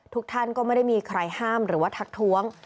ทุกท่านก็ไม่ได้มีใครห้ามหรือว่าทักท้วง